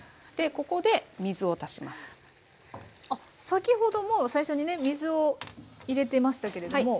でここで先ほども最初にね水を入れてましたけれども。